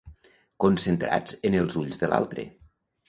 Concentrats en els ulls de l'altre.